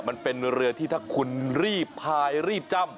มันเป็นเรือที่ถ้าคุณรีบพายรีบจ้ำ